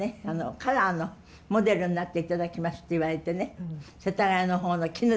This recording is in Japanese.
カラーのモデルになって頂きますって言われてね世田谷の方の砧の。